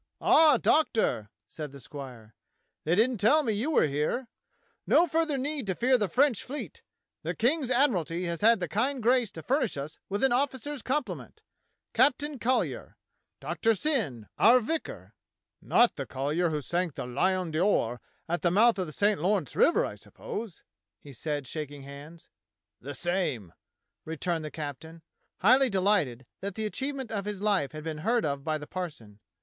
"Ah, Doctor," said the squire, "they didn't tell me you were here. No further need to fear the French fleet. The King's Admiralty has had the kind grace to furnish us with an officer's complement. Captain Colly er — Doctor Syn, our vicar." "Not the Collyer who sank the Lion d^Or at the mouth of the St. Lawrence River, I suppose.^^" he said, shaking hands. "The same," returned the captain, highly delighted that the achievement of his life had been heard of by the parson.